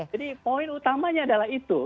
jadi poin utamanya adalah itu